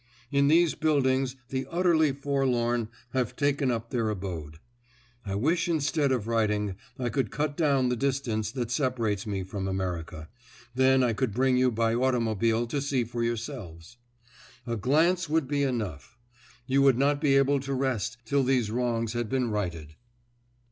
In these buildings the utterly forlorn have taken up their abode. I wish instead of writing, I could cut down the distance that separates me from America. Then I could bring you by automobile to see for yourselves. A glance would be enough. You would not be able to rest till these wrongs had been righted.